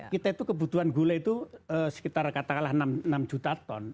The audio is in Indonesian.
kita itu kebutuhan gula itu sekitar katakanlah enam juta ton